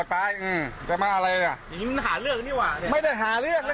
หาเลือกกันนี่ไม่ได้หาเลือก